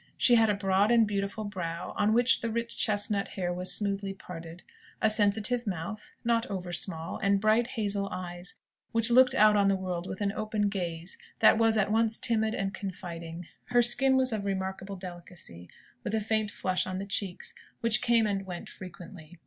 She had a broad and beautiful brow, on which the rich chestnut hair was smoothly parted; a sensitive mouth, not over small; and bright hazel eyes, which looked out on the world with an open gaze, that was at once timid and confiding. Her skin was of remarkable delicacy, with a faint flush on the cheeks, which came and went frequently.